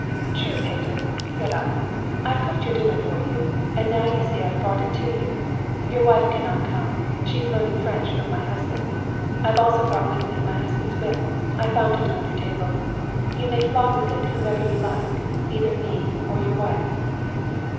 'True, Peter!' said I. 'I've cooked your dinner for you, and now you see I've brought it to you. Your wife cannot come. She's learning French from my husband. I've also brought with me my husband's whip. I found it on your table. You may flog with it whomever you like, either me or your wife.'"